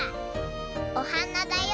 おはなだよ。